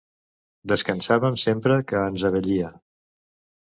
Descansàvem sempre que ens abellia.